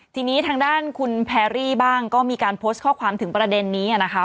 ทีนี้ทางด้านคุณแพรรี่บ้างก็มีการโพสต์ข้อความถึงประเด็นนี้นะคะ